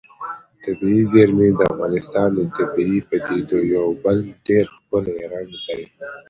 طبیعي زیرمې د افغانستان د طبیعي پدیدو یو بل ډېر ښکلی رنګ دی.